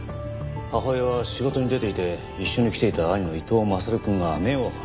母親は仕事に出ていて一緒に来ていた兄の伊藤優くんが目を離した隙に転落したと。